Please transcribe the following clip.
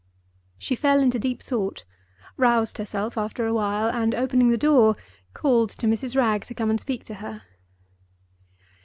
She fell into deep thought, roused herself after a while, and, opening the door, called to Mrs. Wragge to come and speak to her.